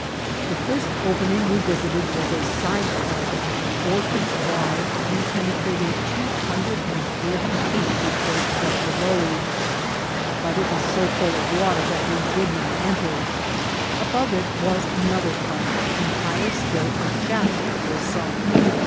The first opening we visited was a side cut four feet wide, and penetrating two hundred and forty feet be fore it struck the lode ; but it was so full of water that we did not enter. Above it was another cut, and higher still a shaft was sunk.